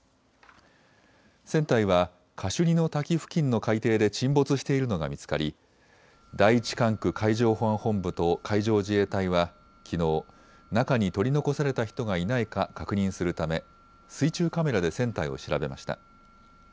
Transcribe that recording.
船体はカシュニの滝付近の海底で沈没しているのが見つかり第１管区海上保安本部と海上自衛隊はきのう、中に取り残された人がいないか確認するため水中カメラで船体を調べました。